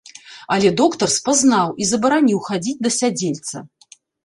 Але доктар спазнаў і забараніў хадзіць да сядзельца.